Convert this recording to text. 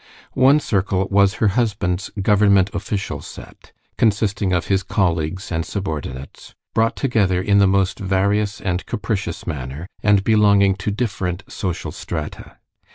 One circle was her husband's government official set, consisting of his colleagues and subordinates, brought together in the most various and capricious manner, and belonging to different social strata.